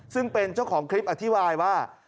ซึ่งเป็นเจ้าของคลิปอธิบายว่า